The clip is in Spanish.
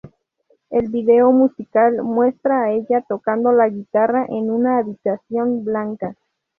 El vídeo musical muestra a ella tocando la guitarra en una habitación blanca.